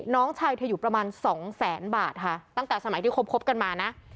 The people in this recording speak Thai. น้องชายเธออยู่ประมาณสองแสนบาทค่ะตั้งแต่สมัยที่คบกันมานะ